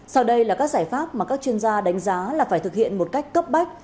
sau đây là các giải pháp mà các chuyên gia đánh giá là phải thực hiện một cách cấp bách